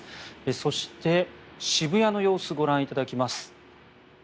そして、渋谷の様子ご覧いただきます。